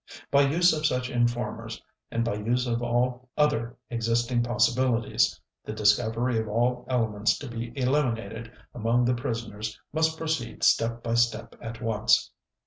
By use of such informers, and by use of all other existing possibilities, the discovery of all elements to be eliminated among the prisoners must proceed step by step at once